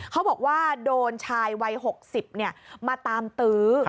เขาบอกว่าโดนชายวัย๖๐มาตามตื้อ